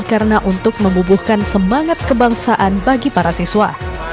karena untuk membubuhkan semangat kebangsaan bagi para siswa